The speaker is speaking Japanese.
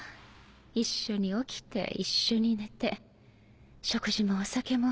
一緒に起きて一緒に寝て食事もお酒も。